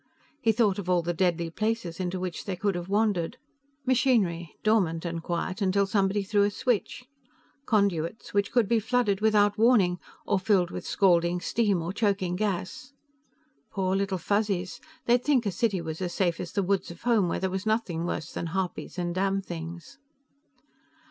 He thought of all the deadly places into which they could have wandered. Machinery, dormant and quiet, until somebody threw a switch. Conduits, which could be flooded without warning, or filled with scalding steam or choking gas. Poor little Fuzzies, they'd think a city was as safe as the woods of home, where there was nothing worse than harpies and damnthings.